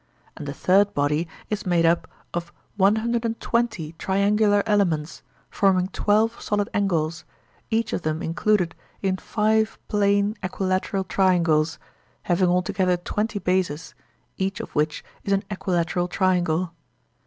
And the third body is made up of 120 triangular elements, forming twelve solid angles, each of them included in five plane equilateral triangles, having altogether twenty bases, each of which is an equilateral triangle.